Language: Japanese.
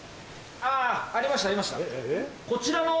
あぁありましたありました。